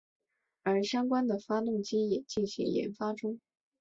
而相关的发动机也进行研发中。